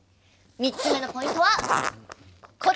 ３つ目のポイントはこちら。